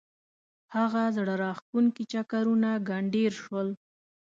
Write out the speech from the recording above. هغه زړه راکښونکي چکرونه ګنډېر شول.